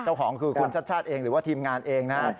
เจ้าของคือคุณชัดชาติเองหรือว่าทีมงานเองนะ